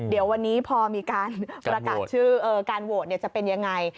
เดี๋ยววันนี้พอมีการประกาศชื่อการโหวตจะเป็นยังไง